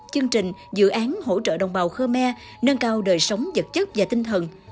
chương trình dự án hỗ trợ đồng bào khmer nâng cao đời sống vật chất và tinh thần